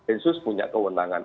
insus punya kewenangan